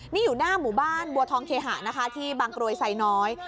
นี่อยู่หน้าหมู่บ้านบัวทองเคหะนะคะที่บางกรวยไซน้อย